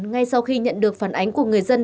ngay sau khi nhận được phản ánh của người dân